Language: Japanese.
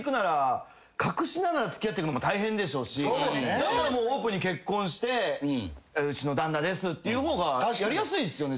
だったらオープンに結婚してうちの旦那ですっていう方がやりやすいっすよね